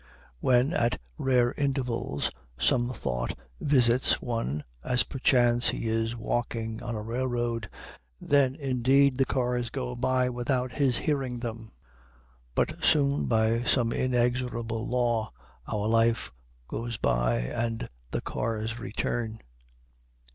When, at rare intervals, some thought visits one, as perchance he is walking on a railroad, then indeed the cars go by without his hearing them. But soon, by some inexorable law, our life goes by and the cars return.